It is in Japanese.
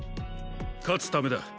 勝つためだ。